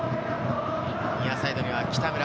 ニアサイドには北村。